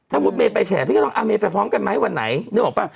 ถ้ามุติเมย์ไปแฉพี่ก็ต้องเอาเมย์ไปพร้อมกันไหมวันไหนนึกออกป่ะ